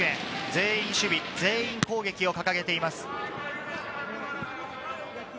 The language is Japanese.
全員守備、全員攻撃を掲げています。